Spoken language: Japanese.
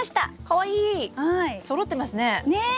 かわいい！そろってますね！ね！